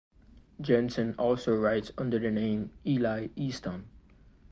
Jensen also writes under the name Eli Easton.